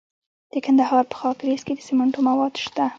د کندهار په خاکریز کې د سمنټو مواد شته.